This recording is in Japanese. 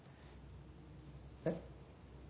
えっ？